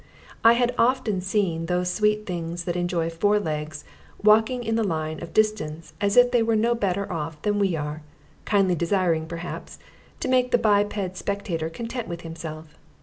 I had often seen those sweet things that enjoy four legs walking in the line of distance as if they were no better off than we are, kindly desiring, perhaps, to make the biped spectator content with himself.